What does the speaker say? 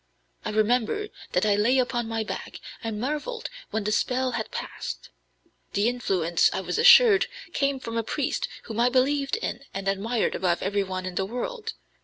I remember that I lay upon my back, and marveled when the spell had passed. The influence, I was assured, came from a priest whom I believed in and admired above everyone in the world.